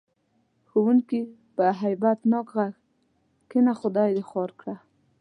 ښوونکي په هیبت ناک غږ: کېنه خدای دې خوار کړه.